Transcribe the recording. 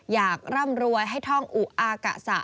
ร่ำรวยให้ท่องอุอากะสะ